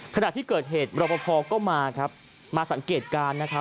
ขนาดที่เกิดเหตุรับพอก็มาสังเกตการณ์